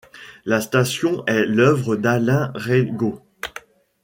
La station est l'œuvre d'Alain Raigaud.